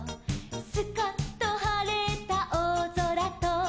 「スカッとはれたおおぞらと」